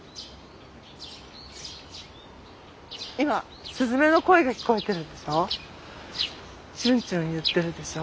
今すずめの声が聞こえてるでしょ。